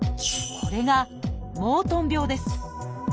これが「モートン病」です。